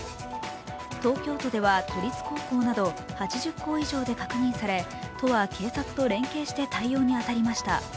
東京都では都立高校など８０校以上で確認され、都は警察と連携して対応に当たりました。